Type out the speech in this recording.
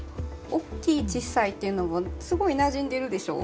おっきいちっさいというのもすごいなじんでるでしょ？